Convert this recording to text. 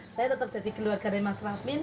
saya tetap jadi keluarganya mas radmin